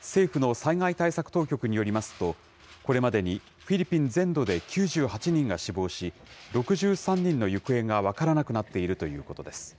政府の災害対策当局によりますと、これまでにフィリピン全土で９８人が死亡し、６３人の行方が分からなくなっているということです。